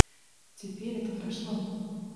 Теперь это прошло.